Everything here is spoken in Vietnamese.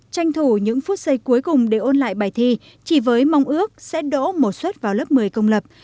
tranh thủ những phút giây cuối cùng để ôn lại bài thi chỉ với mong ước sẽ đổ một suất vào lớp một mươi công lập